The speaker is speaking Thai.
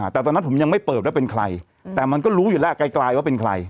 แต่ตอนนั้นผมยังไม่เปิดว่าเป็นใครแต่มันก็รู้อยู่แล้วไกลว่าเป็นใคร